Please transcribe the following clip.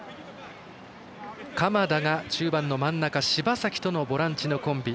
鎌田が中盤の真ん中柴崎とのボランチのコンビ。